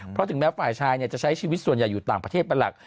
เพราะถึงแม้ฝ่ายชายจะใช้ชีวิตส่วนใหญ่อยู่ต่างประเทศเป็นหลัก